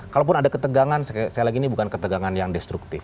kalaupun ada ketegangan saya lagi ini bukan ketegangan yang destruktif